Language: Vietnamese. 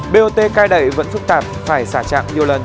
bot cai lệ vẫn phức tạp phải xả trạng nhiều lần